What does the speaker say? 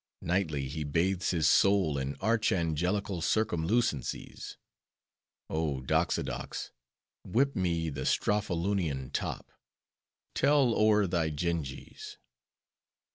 Nightly, he bathes his soul in archangelical circumlucencies. Oh, Doxodox! whip me the Strophalunian top! Tell o'er thy Jynges!"